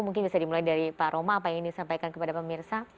mungkin bisa dimulai dari pak roma apa yang ingin disampaikan kepada pemirsa